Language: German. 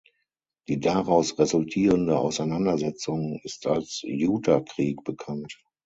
Die daraus resultierende Auseinandersetzung ist als Utah-Krieg bekannt.